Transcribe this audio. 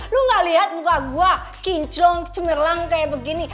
lu gak liat muka gue kinclong cemirlang kayak begini